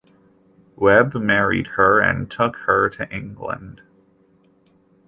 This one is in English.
Webb married her and took her to England.